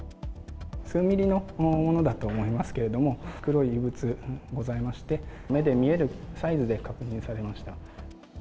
数ミリのものだと思いますけれども、黒い異物ございまして、目で見えるサイズで確認されました。